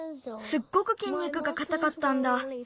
すっごくきんにくがかたかったんだ。